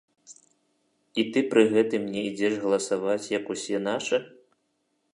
І ты пры гэтым не ідзеш галасаваць як усе нашы?